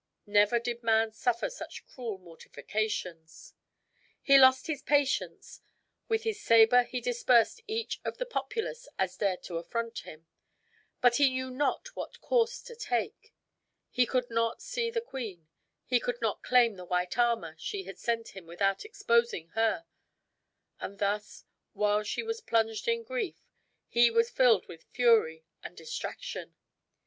Never did man suffer such cruel mortifications. He lost his patience; with his saber he dispersed such of the populace as dared to affront him; but he knew not what course to take. He could not see the queen; he could not claim the white armor she had sent him without exposing her; and thus, while she was plunged in grief, he was filled with fury and distraction.